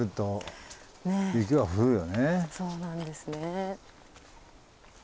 そうなんですね。